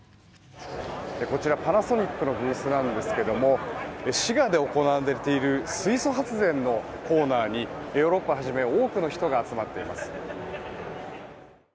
こちら、パナソニックのブースなんですけども滋賀で行われている水素発電のコーナーにヨーロッパをはじめ多くの人が集まっています。